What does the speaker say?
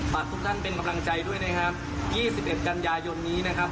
ฝากทุกท่านเป็นกำลังใจด้วยนะครับยี่สิบเอ็ดกันยายนนี้นะครับ